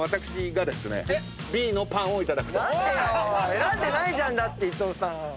⁉選んでないじゃん伊藤さん。